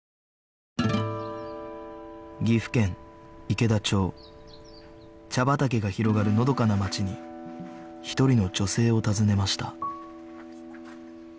結局ね茶畑が広がるのどかな町に一人の女性を訪ねました